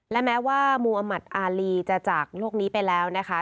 และแม้ว่ามูอมัติอารีจะจากโลกนี้ไปแล้วนะคะ